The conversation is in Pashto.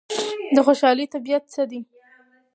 د خوشحالۍ طبیعت څه دی؟